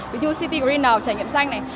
ví dụ như city green nào trải nghiệm xanh này